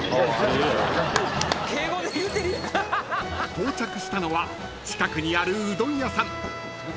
［到着したのは近くにあるうどん屋さん］